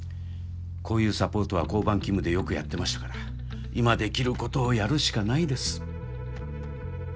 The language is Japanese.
こういうサポートは交番勤務でよくやってましたから今できることをやるしかないです。